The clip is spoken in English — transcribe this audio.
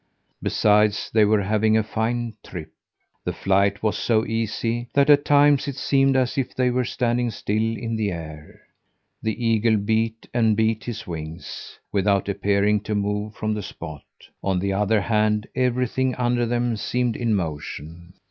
Besides, they were having a fine trip. The flight was so easy that at times it seemed as if they were standing still in the air. The eagle beat and beat his wings, without appearing to move from the spot; on the other hand, everything under them seemed in motion.